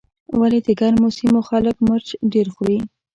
ولې د ګرمو سیمو خلک مرچ ډېر خوري.